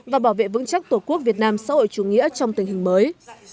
và bảo vệ vững chắc tổ quốc việt nam xã hội chủ nghĩa trong tình hình mới